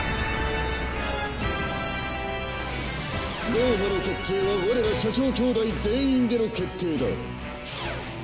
ゴーハの決定は我ら社長兄弟全員での決定だ。